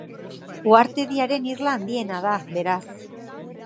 Uhartediaren irla handiena da, beraz.